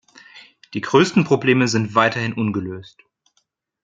Die größten Probleme sind weiterhin ungelöst.